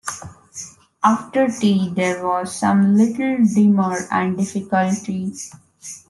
After tea there was some little demur and difficulty.